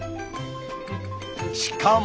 しかも。